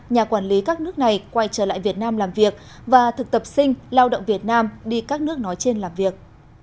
nhà quản lý các nước này quay trở lại việt nam làm việc và thực tập sinh lao động việt nam đi các nước nói trên làm việc